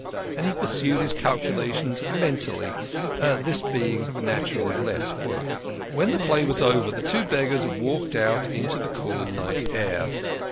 And he pursued his calculations mentally ; this being naturally less work. When the play was over the two beggars walked out into the cool night air.